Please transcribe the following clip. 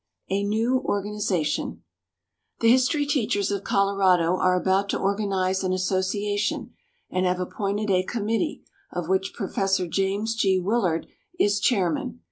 A New Organization. The history teachers of Colorado are about to organize an association and have appointed a committee, of which Professor James G. Willard is chairman.